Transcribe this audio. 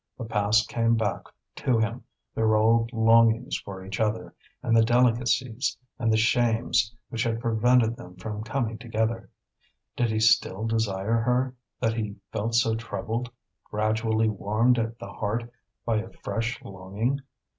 The past came back to him, their old longings for each other, and the delicacies and the shames which had prevented them from coming together. Did he still desire her, that he felt so troubled, gradually warmed at the heart by a fresh longing?